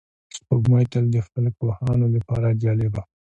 سپوږمۍ تل د فلک پوهانو لپاره جالبه وه